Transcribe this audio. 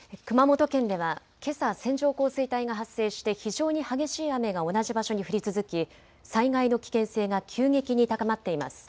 熊本県ではけさ線状降水帯が発生して非常に激しい雨が同じ場所に降り続き、災害の危険性が急激に高まっています。